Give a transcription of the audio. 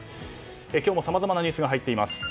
今日もさまざまなニュースが入っています。